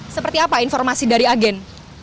seperti apa informasi dari agen